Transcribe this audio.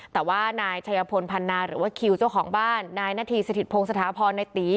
แต่ว่านายชัยพลพันนาหรือว่าคิวเจ้าของบ้านนายนาธีสถิตพงศาพรในตี